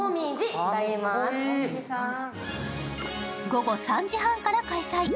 午後３時半から開催。